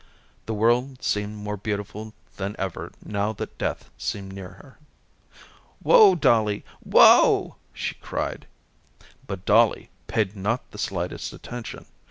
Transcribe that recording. The world seemed more beautiful than ever now that death seemed near her. "Whoa, Dollie, whoa," she cried. But Dollie paid not the slightest attention.